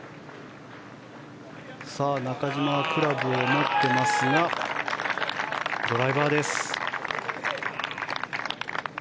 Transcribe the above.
中島はクラブを持っていますがドライバーです。